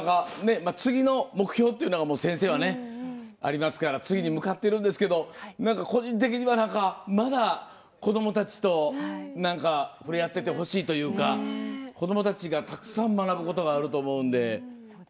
次の目標っていうのが先生はありますから次に向かってるんですけどなんか、個人的にはまだ子どもたちと触れ合っててほしいというか子どもたちがたくさん学ぶことがあると思うんで。